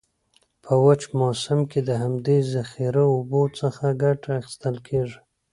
په وچ موسم کې د همدي ذخیره اوبو څخه کټه اخیستل کیږي.